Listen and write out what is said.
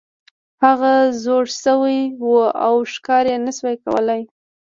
هغه زوړ شوی و او ښکار یې نشو کولی.